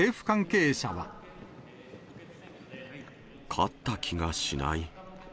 勝った気がしない。